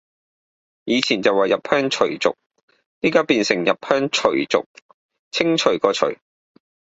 以前就話入鄉隨俗，而家變成入鄉除族，清除個除